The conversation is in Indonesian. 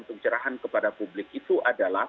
pencerahan kepada publik itu adalah